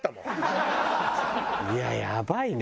いややばいね。